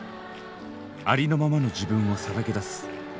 ありのままの自分をさらけ出す。